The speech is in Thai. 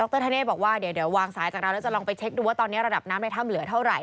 รธเนธบอกว่าเดี๋ยววางสายจากเราแล้วจะลองไปเช็คดูว่าตอนนี้ระดับน้ำในถ้ำเหลือเท่าไห